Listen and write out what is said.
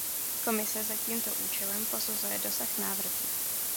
Komise za tímto účelem posuzuje dosah návrhů.